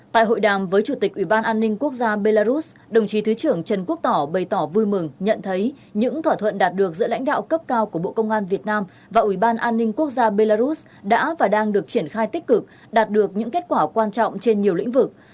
tại hội đàm với chủ tịch ủy ban an ninh quốc gia belarus đồng chí thứ trưởng trần quốc tỏ bày tỏ vui mừng nhận thấy những thỏa thuận đạt được giữa lãnh đạo cấp cao của bộ công an việt nam và ủy ban an ninh quốc gia belarus đã và đang được triển khai tích cực đạt được những kết quả quan trọng trên nhiều lĩnh vực